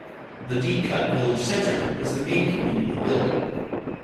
The Deepcut Village Centre is the main community building.